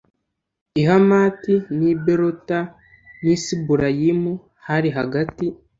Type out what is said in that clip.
i hamati n i berota n i siburayimu hari hagati